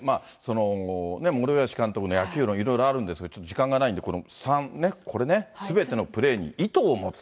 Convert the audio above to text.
森林監督の野球論、いろいろあるんですが、ちょっと時間がないんで、この３ね、すべてのプレーに意図を持つ。